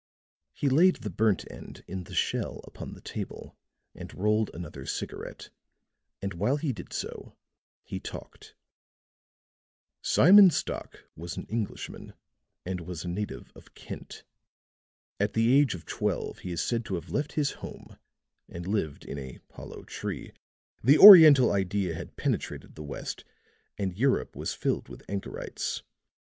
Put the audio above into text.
He laid the burnt end in the shell upon the table and rolled another cigarette; and while he did so, he talked. "Simon Stock was an Englishman, and was a native of Kent. At the age of twelve he is said to have left his home and lived in a hollow tree. The Oriental idea had penetrated the West, and Europe was filled with anchorites.